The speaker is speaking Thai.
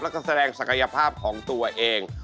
แล้วก็แสดงศักยภาพของตัวเอง